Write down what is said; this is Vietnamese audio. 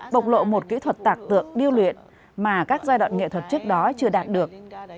bộc lộ một kỹ thuật tạc tượng điêu luyện mà các giai đoạn nghệ thuật trước đó chưa đạt được